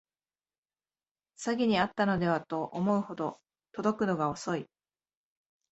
詐欺にあったのではと思うほど届くのが遅い